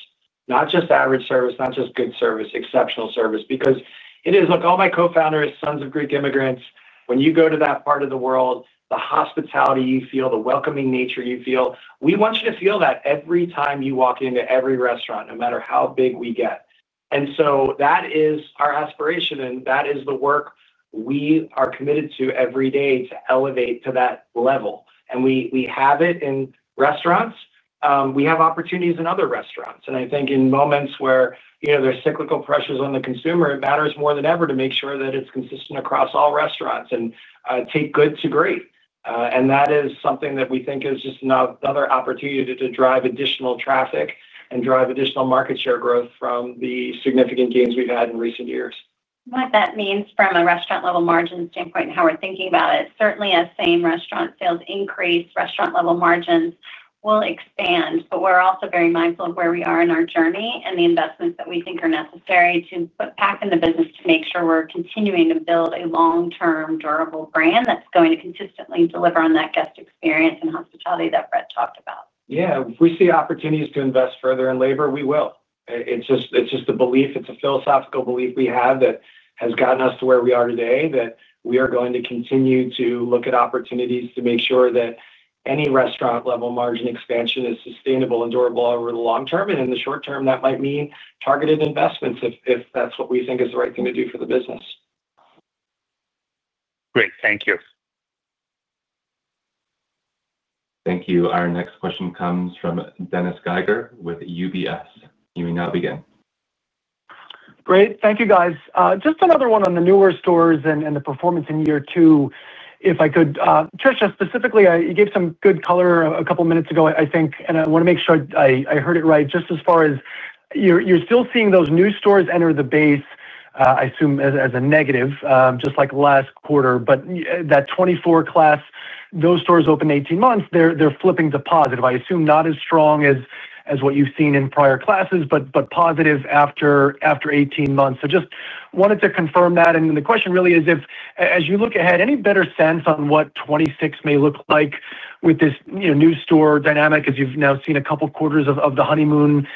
Not just average service, not just good service, exceptional service. Because it is like all my co-founders, sons of Greek immigrants, when you go to that part of the world, the hospitality you feel, the welcoming nature you feel, we want you to feel that every time you walk into every restaurant, no matter how big we get. And so that is our aspiration, and that is the work we are committed to every day to elevate to that level. And we have it in restaurants. We have opportunities in other restaurants. And I think in moments where there's cyclical pressures on the consumer, it matters more than ever to make sure that it's consistent across all restaurants and take good to great. And that is something that we think is just another opportunity to drive additional traffic and drive additional market share growth from the significant gains we've had in recent years. What that means from a restaurant-level margin standpoint and how we're thinking about it, certainly as same restaurant sales increase, restaurant-level margins will expand. But we're also very mindful of where we are in our journey and the investments that we think are necessary to put back in the business to make sure we're continuing to build a long-term, durable brand that's going to consistently deliver on that guest experience and hospitality that Brett talked about. Yeah. If we see opportunities to invest further in labor, we will. It's just a belief. It's a philosophical belief we have that has gotten us to where we are today, that we are going to continue to look at opportunities to make sure that any restaurant-level margin expansion is sustainable and durable over the long term. And in the short term, that might mean targeted investments if that's what we think is the right thing to do for the business. Great. Thank you. Thank you. Our next question comes from Dennis Geiger with UBS. You may now begin. Great. Thank you, guys. Just another one on the newer stores and the performance in year two, if I could. Tricia, specifically, you gave some good color a couple of minutes ago, I think, and I want to make sure I heard it right. Just as far as. You're still seeing those new stores enter the base, I assume, as a negative, just like last quarter. But that 2024 class, those stores open 18 months, they're flipping to positive. I assume not as strong as what you've seen in prior classes, but positive after 18 months. So just wanted to confirm that. And the question really is, as you look ahead, any better sense on what 2026 may look like with this new store dynamic? As you've now seen a couple of quarters of the honeymoon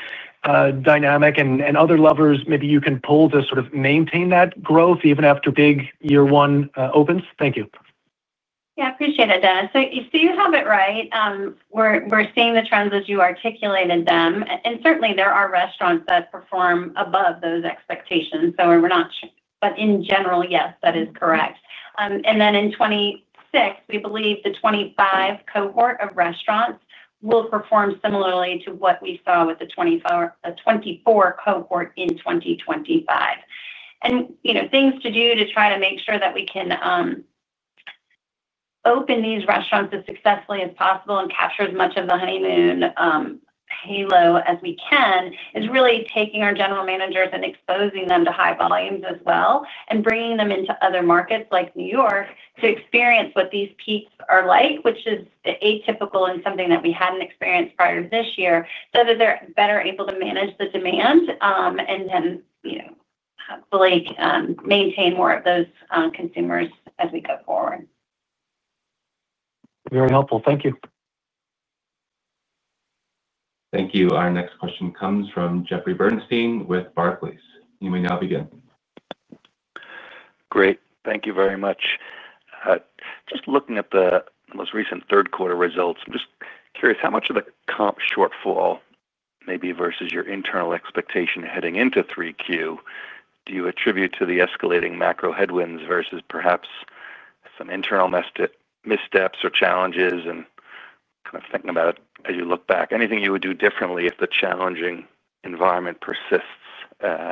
dynamic and other levers, maybe you can pull to sort of maintain that growth even after big year one comps? Thank you. Yeah, I appreciate that, Dennis. So you have it right. We're seeing the trends as you articulated them. And certainly, there are restaurants that perform above those expectations. So we're not. But in general, yes, that is correct. And then in 2026, we believe the 2025 cohort of restaurants will perform similarly to what we saw with the 2024 cohort in 2025. And things to do to try to make sure that we can open these restaurants as successfully as possible and capture as much of the honeymoon halo as we can is really taking our general managers and exposing them to high volumes as well and bringing them into other markets like New York to experience what these peaks are like, which is atypical and something that we hadn't experienced prior to this year, so that they're better able to manage the demand and can hopefully maintain more of those consumers as we go forward. Very helpful. Thank you. Thank you. Our next question comes from Jeffrey Bernstein with Barclays. You may now begin. Great. Thank you very much. Just looking at the most recent third-quarter results, I'm just curious how much of the comp shortfall maybe versus your internal expectation heading into 3Q do you attribute to the escalating macro headwinds versus perhaps some internal missteps or challenges? And kind of thinking about it as you look back, anything you would do differently if the challenging environment persists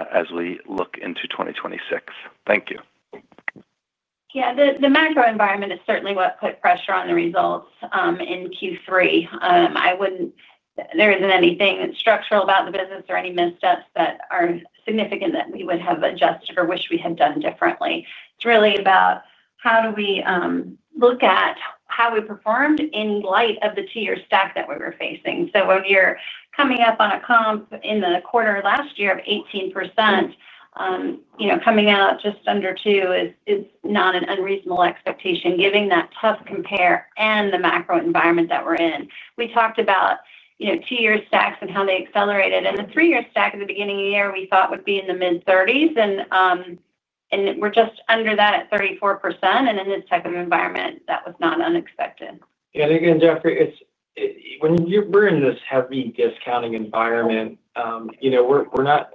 as we look into 2026? Thank you. Yeah. The macro environment is certainly what put pressure on the results in Q3. There isn't anything structural about the business or any missteps that are significant that we would have adjusted or wished we had done differently. It's really about how do we look at how we performed in light of the two-year stack that we were facing. So when you're coming up on a comp in the quarter last year of 18%. Coming out just under two is not an unreasonable expectation given that tough compare and the macro environment that we're in. We talked about two-year stacks and how they accelerated. And the three-year stack at the beginning of the year we thought would be in the mid-30s. And we're just under that at 34%. And in this type of environment, that was not unexpected. Yeah. And again, Jeffrey. When we're in this heavy discounting environment. We're not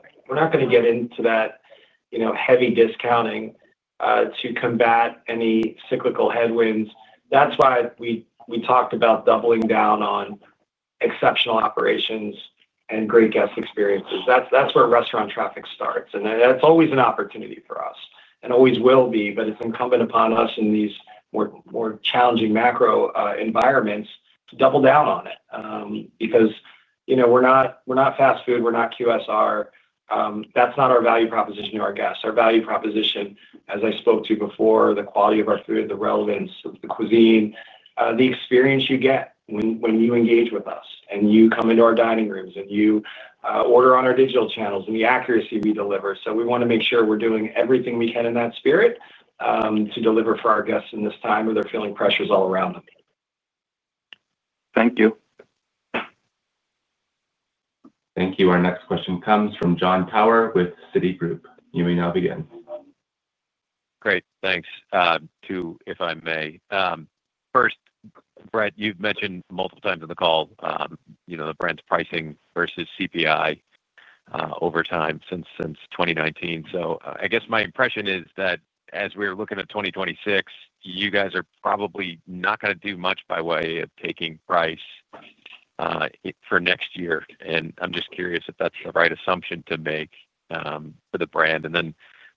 going to get into that. Heavy discounting to combat any cyclical headwinds. That's why we talked about doubling down on. Exceptional operations and great guest experiences. That's where restaurant traffic starts. And that's always an opportunity for us and always will be, but it's incumbent upon us in these more challenging macro environments to double down on it. Because we're not fast food. We're not QSR. That's not our value proposition to our guests. Our value proposition, as I spoke to before, the quality of our food, the relevance of the cuisine, the experience you get when you engage with us and you come into our dining rooms and you order on our digital channels and the accuracy we deliver. So we want to make sure we're doing everything we can in that spirit to deliver for our guests in this time where they're feeling pressures all around them. Thank you. Thank you. Our next question comes from Jon Tower with Citigroup. You may now begin. Great. Thanks. Two, if I may. First, Brett, you've mentioned multiple times in the call the brand's pricing versus CPI over time since 2019. So I guess my impression is that as we're looking at 2026, you guys are probably not going to do much by way of taking price for next year. And I'm just curious if that's the right assumption to make for the brand. And then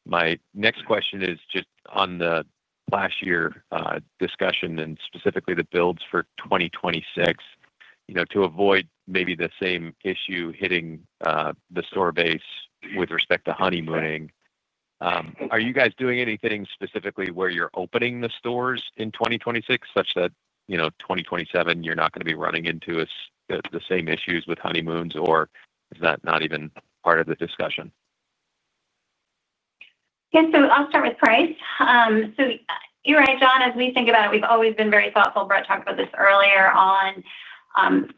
my next question is just on the labor discussion and specifically the builds for 2026. To avoid maybe the same issue hitting the store base with respect to honeymooning. Are you guys doing anything specifically where you're opening the stores in 2026 such that 2027, you're not going to be running into the same issues with honeymoons, or is that not even part of the discussion? Yeah. So I'll start with price. So you're right, Jon. As we think about it, we've always been very thoughtful. Brett talked about this earlier on.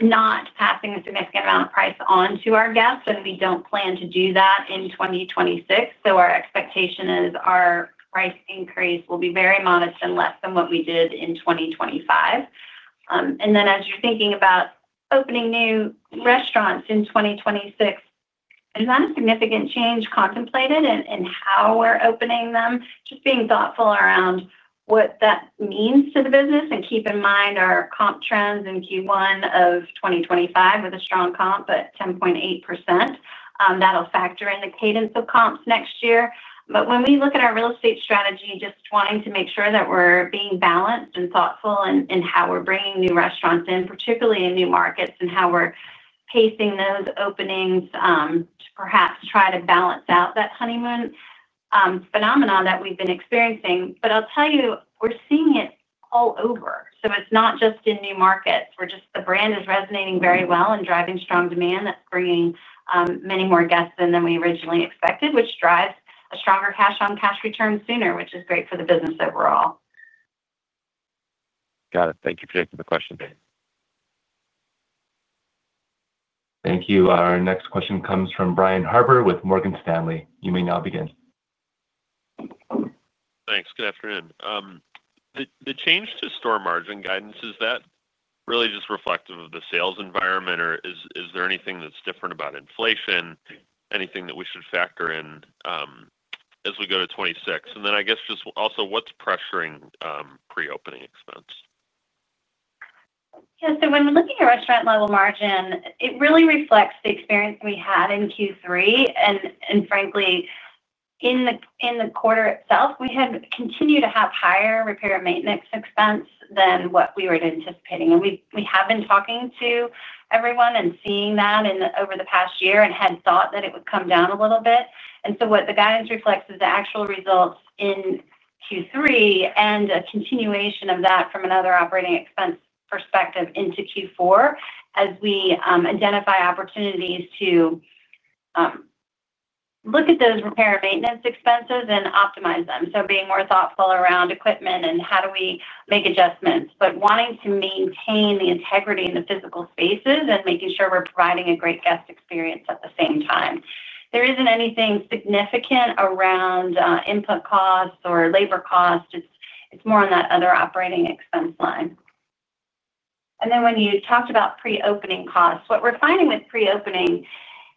Not passing a significant amount of price onto our guests, and we don't plan to do that in 2026. So our expectation is our price increase will be very modest and less than what we did in 2025. And then as you're thinking about opening new restaurants in 2026. Is that a significant change contemplated in how we're opening them? Just being thoughtful around what that means to the business and keep in mind our comp trends in Q1 of 2025 with a strong comp at 10.8%. That'll factor in the cadence of comps next year. But when we look at our real estate strategy, just wanting to make sure that we're being balanced and thoughtful in how we're bringing new restaurants in, particularly in new markets, and how we're pacing those openings. To perhaps try to balance out that honeymoon phenomenon that we've been experiencing. But I'll tell you, we're seeing it all over. So it's not just in new markets. The brand is resonating very well and driving strong demand that's bringing many more guests in than we originally expected, which drives a stronger cash-on-cash return sooner, which is great for the business overall. Got it. Thank you for taking the question. Thank you. Our next question comes from Brian Harbour with Morgan Stanley. You may now begin. Thanks. Good afternoon. The change to store margin guidance, is that really just reflective of the sales environment, or is there anything that's different about inflation, anything that we should factor in as we go to 2026? And then I guess just also, what's pressuring pre-opening expense? Yeah. So when looking at restaurant-level margin, it really reflects the experience we had in Q3. And frankly in the quarter itself, we had continued to have higher repair and maintenance expense than what we were anticipating. And we have been talking to everyone and seeing that over the past year and had thought that it would come down a little bit. And so what the guidance reflects is the actual results in Q3 and a continuation of that from another operating expense perspective into Q4 as we identify opportunities to look at those repair and maintenance expenses and optimize them. So being more thoughtful around equipment and how do we make adjustments, but wanting to maintain the integrity in the physical spaces and making sure we're providing a great guest experience at the same time. There isn't anything significant around input costs or labor costs. It's more on that other operating expense line. And then when you talked about pre-opening costs, what we're finding with pre-opening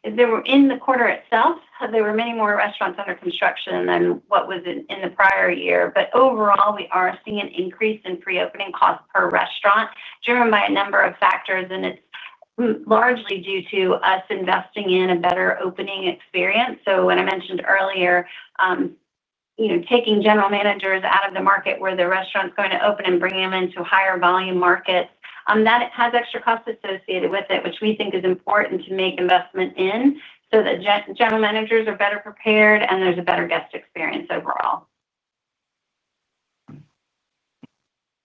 is that in the quarter itself, there were many more restaurants under construction than what was in the prior year. But overall, we are seeing an increase in pre-opening costs per restaurant driven by a number of factors. And it's largely due to us investing in a better opening experience. So when I mentioned earlier. Taking general managers out of the market where the restaurant's going to open and bringing them into higher volume markets, that has extra costs associated with it, which we think is important to make investment in so that general managers are better prepared and there's a better guest experience overall.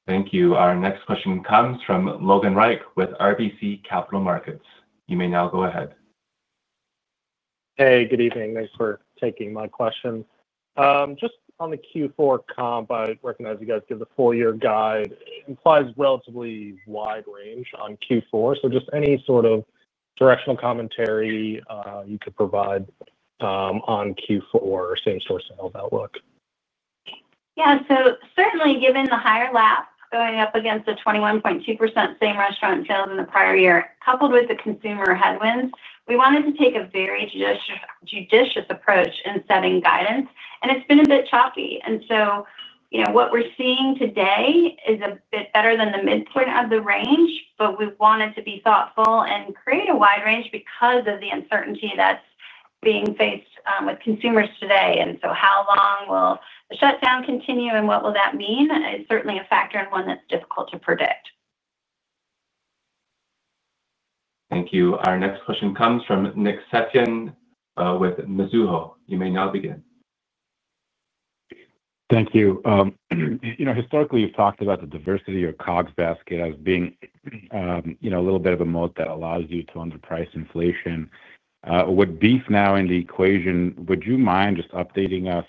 Thank you. Our next question comes from Logan Reich with RBC Capital Markets. You may now go ahead. Hey, good evening. Thanks for taking my question. Just on the Q4 comp, I recognize you guys give the full-year guide. It implies relatively wide range on Q4. So just any sort of directional commentary you could provide. On Q4 or same-store sales outlook. Yeah. So certainly, given the higher lap going up against the 21.2% same restaurant sales in the prior year, coupled with the consumer headwinds, we wanted to take a very judicious approach in setting guidance. And it's been a bit choppy. And so what we're seeing today is a bit better than the midpoint of the range, but we wanted to be thoughtful and create a wide range because of the uncertainty that's being faced with consumers today. And so how long will the shutdown continue and what will that mean is certainly a factor and one that's difficult to predict. Thank you. Our next question comes from Nick Setyan with Mizuho. You may now begin. Thank you. Historically, you've talked about the diversity or COGS basket as being a little bit of a moat that allows you to underprice inflation. With beef now in the equation, would you mind just updating us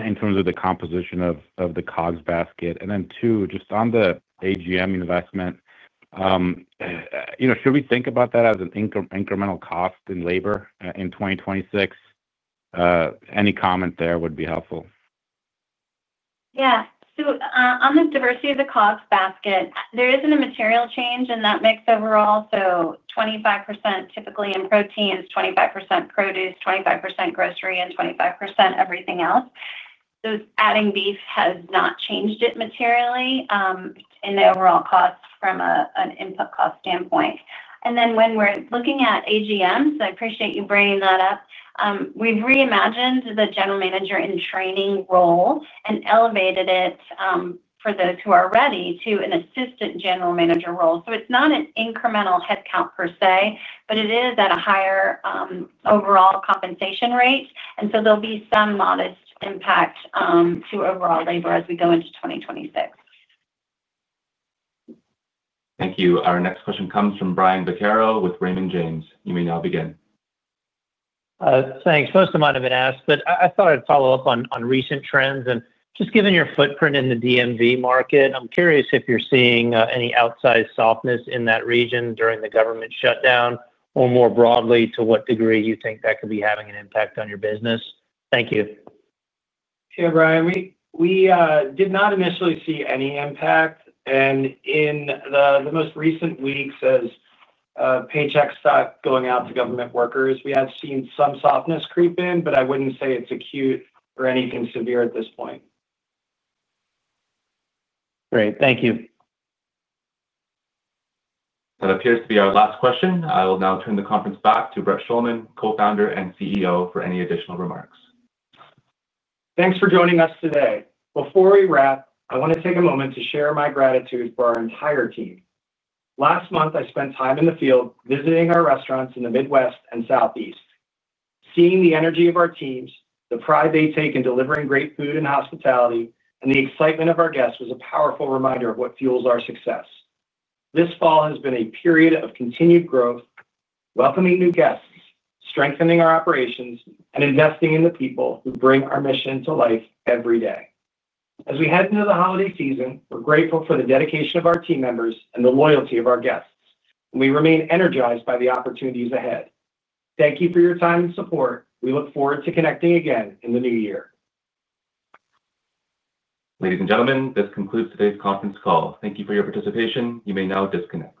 in terms of the composition of the COGS basket? And then two, just on the AGM investment. Should we think about that as an incremental cost in labor in 2026? Any comment there would be helpful. Yeah. So on the diversity of the COGS basket, there isn't a material change in that mix overall. So 25% typically in proteins, 25% produce, 25% grocery, and 25% everything else. So adding beef has not changed it materially in the overall cost from an input cost standpoint. And then when we're looking at AGM, so I appreciate you bringing that up, we've reimagined the general manager in training role and elevated it for those who are ready to an assistant general manager role. So it's not an incremental headcount per se, but it is at a higher overall compensation rate. And so there'll be some modest impact to overall labor as we go into 2026. Thank you. Our next question comes from Brian Beccaro with Raymond James. You may now begin. Thanks. Most of mine have been asked, but I thought I'd follow up on recent trends. And just given your footprint in the DMV market, I'm curious if you're seeing any outsized softness in that region during the government shutdown or more broadly to what degree you think that could be having an impact on your business. Thank you. Yeah, Brian. We did not initially see any impact and in the most recent weeks, as paychecks stopped going out to government workers, we have seen some softness creep in, but I wouldn't say it's acute or anything severe at this point. Great. Thank you. That appears to be our last question. I will now turn the conference back to Brett Schulman, Co-Founder and CEO, for any additional remarks. Thanks for joining us today. Before we wrap, I want to take a moment to share my gratitude for our entire team. Last month, I spent time in the field visiting our restaurants in the Midwest and Southeast. Seeing the energy of our teams, the pride they take in delivering great food and hospitality, and the excitement of our guests was a powerful reminder of what fuels our success. This fall has been a period of continued growth, welcoming new guests, strengthening our operations, and investing in the people who bring our mission to life every day. As we head into the holiday season, we're grateful for the dedication of our team members and the loyalty of our guests and we remain energized by the opportunities ahead. Thank you for your time and support. We look forward to connecting again in the new year. Ladies and gentlemen, this concludes today's conference call. Thank you for your participation. You may now disconnect.